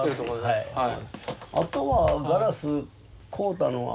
はいはい。